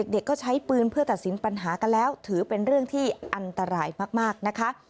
เด็กก็ใช้ปืนเพื่อตัดสินปัญหากันแล้วถือเป็นเรื่องที่อันตรายมากนะคะ